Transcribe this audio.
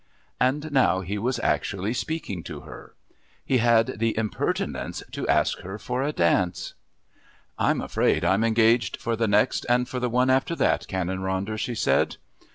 And now he was actually speaking to her. He had the impertinence to ask her for a dance. "I'm afraid I'm engaged for the next and for the one after that, Canon Ronder," she said.